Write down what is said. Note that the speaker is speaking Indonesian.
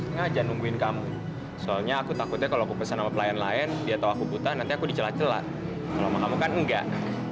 ngajak nungguin kamu soalnya aku takutnya kalau aku pesen sama pelayan pelayan dia tau aku buta nanti aku dicela cela kalau sama kamu kan enggak